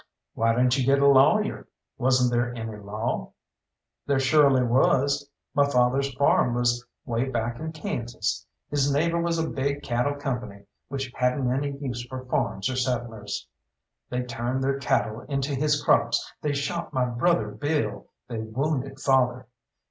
"Why didn't you get a lawyer wasn't there any law?" "There shorely was. My father's farm was way back in Kansas. His neighbour was a big cattle company, which hadn't any use for farms or settlers. They turned their cattle into his crops, they shot my brother Bill, they wounded father.